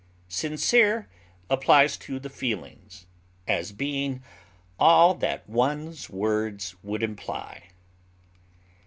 Sincere applies to the feelings, as being all that one's words would imply.